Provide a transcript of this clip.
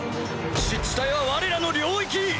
湿地帯はわれらの領域！